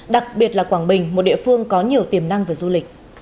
đặc biệt là quảng bình một địa phương có nhiều tiềm năng về du lịch